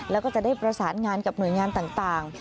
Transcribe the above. แล้วก็จะได้ประสานงานกับหน่วยงานต่าง